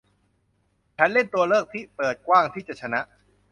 ฉันเล่นตัวเลือกที่เปิดกว้างที่จะชนะ